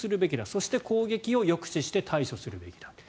そして攻撃を抑止して対処するべきだ。